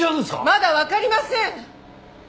まだわかりません！